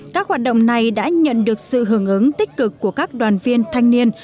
các hoạt động này đã nhận được sự hưởng ứng tích cực của các đoàn viên thanh niên